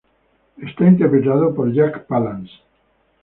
Es interpretado por Jack Palance.